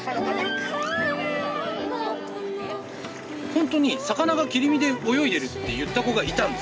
ほんとに魚が切り身で泳いでるって言った子がいたんです。